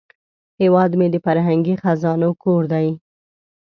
هیواد مې د فرهنګي خزانو کور دی